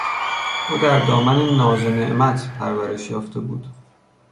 او در دامن ناز و نعمت پرورش یافته بود.